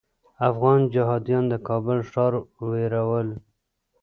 افغان جهاديان د کابل ښار ویرول.